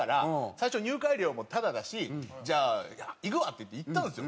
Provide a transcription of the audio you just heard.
最初入会料もタダだし「じゃあ行くわ」って言って行ったんですよ。